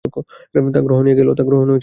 তা গ্রহণে এগিয়ে এল।